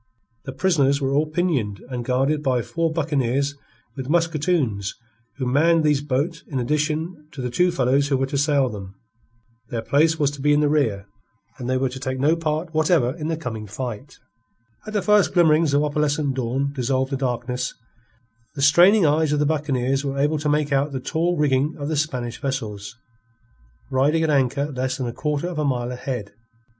The prisoners were all pinioned, and guarded by four buccaneers with musketoons who manned these boats in addition to the two fellows who were to sail them. Their place was to be in the rear and they were to take no part whatever in the coming fight. As the first glimmerings of opalescent dawn dissolved the darkness, the straining eyes of the buccaneers were able to make out the tall rigging of the Spanish vessels, riding at anchor less than a quarter of a mile ahead.